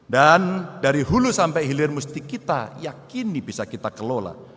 dan dari hulu sampai hilir mesti kita yakini bisa kita kelola